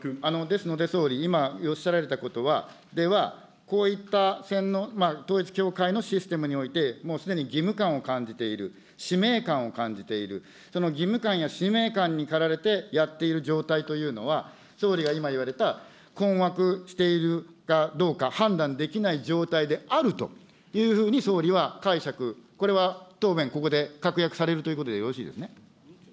ですので総理、今おっしゃられたことは、では、こういった統一教会のシステムにおいて、もうすでに義務感を感じている、使命感を感じている、その義務感や使命感に駆られてやっている状態というのは、総理が今言われた、困惑しているかどうか判断できない状態であるというふうに、総理は解釈、これは答弁、ここで確約されるということでよろしいですね。